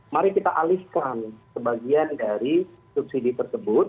mari kita alihkan sebagian dari subsidi tersebut